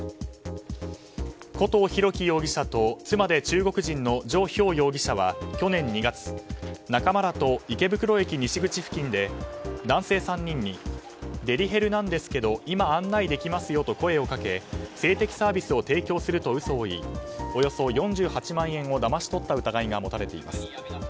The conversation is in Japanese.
古藤大樹容疑者と妻で中国人のジョ・ヒョウ容疑者は去年２月、仲間らと池袋西口付近で男性３人にデリヘルなんですけど今案内できますよと声をかけ性的サービスを提供すると嘘を言いおよそ４８万円をだまし取った疑いが持たれています。